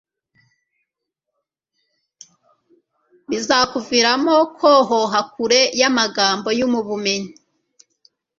bizakuviramo kohoha kure y'amagambo y'ubumenyi